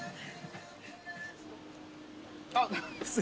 あっ。